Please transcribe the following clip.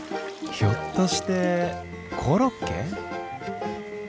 ひょっとしてコロッケ？